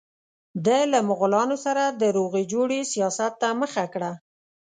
ده له مغولانو سره د روغې جوړې سیاست ته مخه کړه.